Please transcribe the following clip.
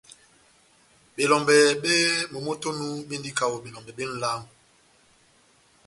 Belɔmbɛ bep momó tɛ́h onu béndini kaho belɔmbɛ bé nʼlángo.